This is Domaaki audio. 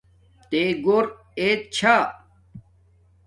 تے گھور ایت چھا